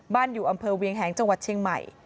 อยู่อำเภอเวียงแหงจังหวัดเชียงใหม่